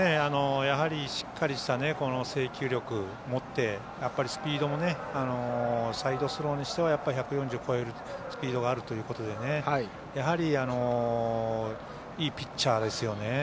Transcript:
やはり、しっかりした制球力を持ってスピードもサイドスローにしては１４０超えるスピードがあるということでやはり、いいピッチャーですよね。